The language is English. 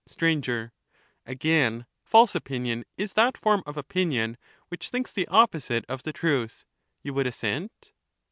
Str, Again, false opinion is that form of opinion which Om"d«fi thinks the opposite of the truth :— You would assent?